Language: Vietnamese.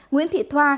nguyễn thị thoa